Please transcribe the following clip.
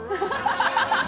ハハハハ！